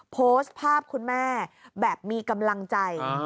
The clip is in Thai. โพสต์ภาพคุณแม่แบบมีกำลังใจ